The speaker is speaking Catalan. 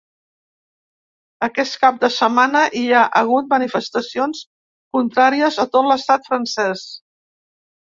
Aquest cap de setmana hi ha hagut manifestacions contràries a tot l’estat francès.